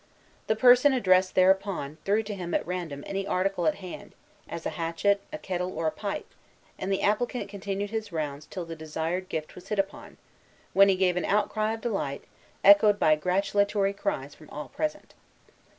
The person addressed thereupon threw to him at random any article at hand, as a hatchet, a kettle, or a pipe; and the applicant continued his rounds till the desired gift was hit upon, when he gave an outcry of delight, echoed by gratulatory cries from all present.